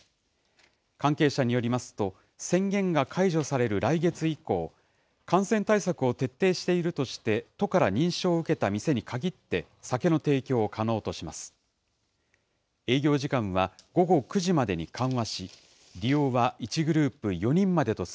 関係者によりますと、宣言が解除される来月以降、感染対策を徹底しているとして、都から認証を受けた店に限って、酒の提供を可能とします。